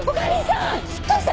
しっかりして！